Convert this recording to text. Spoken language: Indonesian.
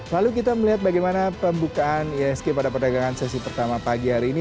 lalu kita melihat bagaimana pembukaan isg pada perdagangan sesi pertama pagi hari ini